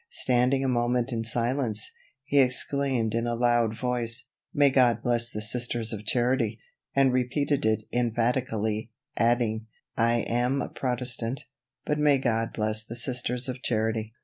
Standing a moment in silence, he exclaimed in a loud voice: "May God bless the Sisters of Charity," and repeated it emphatically, adding: "I am a Protestant, but may God bless the Sisters of Charity."